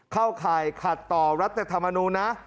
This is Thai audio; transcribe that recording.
เข้าข่ายขัดต่อรัฐธรรมนูญนะ